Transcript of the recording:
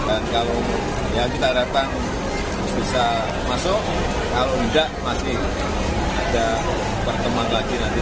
dan kalau yang kita datang bisa masuk kalau tidak pasti ada perteman lagi nanti